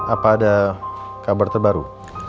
apa ada kabar terbaru